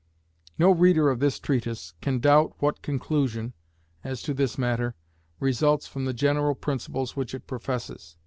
No reader of this treatise can doubt what conclusion, as to this matter, results from the general principles which it professes.